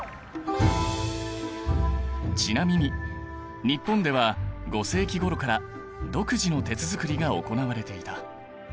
ちなみに日本では５世紀ごろから独自の鉄づくりが行われていた。